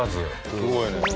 すごいね。